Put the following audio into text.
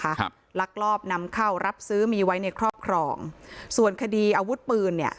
ครับลักลอบนำเข้ารับซื้อมีไว้ในครอบครองส่วนคดีอาวุธปืนเนี่ย